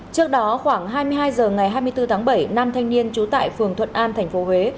trước đó khoảng hai mươi hai h ngày hai mươi bốn tháng bảy nam thanh niên trú tại phường thuận an tp huế